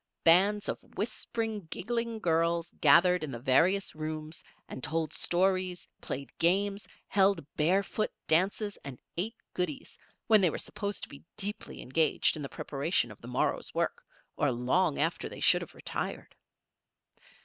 Bands of whispering, giggling girls gathered in the various rooms and told stories, played games, held bare foot dances, and ate goodies, when they were supposed to be deeply engaged in the preparation of the morrow's work, or long after they should have retired.